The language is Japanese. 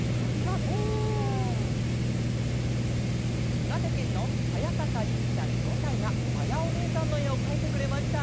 いわてけんのはやさかりんちゃん５さいがまやおねえさんのえをかいてくれました！